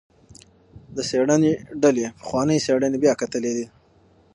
د څیړنې ډلې پخوانۍ څیړنې بیا کتلي دي.